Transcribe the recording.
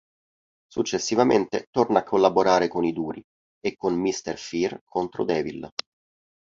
Successivamente, torna a collaborare con i Duri e con mister Fear contro Devil.